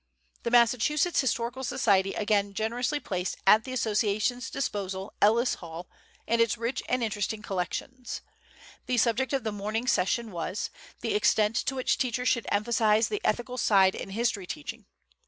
The Massachusetts Historical Society again generously placed at the Association's disposal Ellis Hall and its rich and interesting collections. The subject of the morning session was "The Extent to Which Teachers Should Emphasize the Ethical Side in History Teaching."